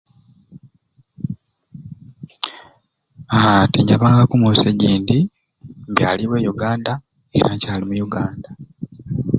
Haaa tinyabangaku munsi egyindi mbyalibwe Uganda era nkyali Uganda